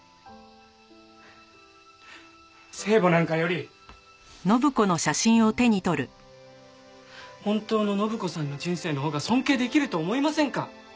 聖母なんかより本当の展子さんの人生のほうが尊敬できると思いませんか？